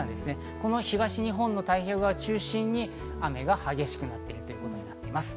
この東日本の太平洋側中心に雨が激しくなっているということになっています。